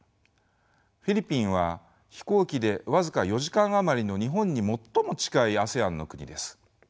フィリピンは飛行機で僅か４時間余りの日本に最も近いＡＳＥＡＮの国です。